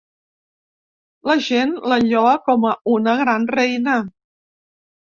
La gent la lloa com a una gran reina.